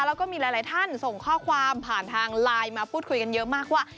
แล้วก็มีหลายท่านส่งข้อความผ่านทางไลน์มาพูดคุยกันเยอะมากว่า